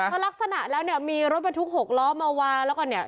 เพราะลักษณะแล้วเนี่ยมีรถบรรทุก๖ล้อมาวางแล้วก็เนี่ย